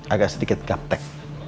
agak sedikit gaptek